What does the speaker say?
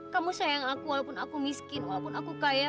kamu sayang aku walaupun aku miskin walaupun aku kaya